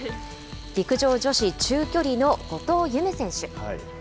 陸上女子中距離の後藤夢選手。